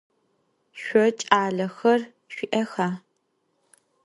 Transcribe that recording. Şso ç'alexer şsui'exa?